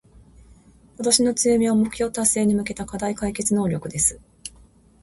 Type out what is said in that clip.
私の強みは、目標達成に向けた課題解決能力です。